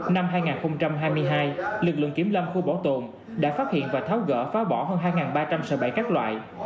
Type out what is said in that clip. năm hai nghìn hai mươi hai lực lượng kiểm lâm khu bảo tồn đã phát hiện và tháo gỡ phá bỏ hơn hai ba trăm linh sợi bẫy các loại